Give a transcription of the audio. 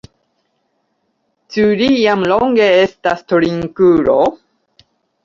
Ĉu li jam longe estas trinkulo?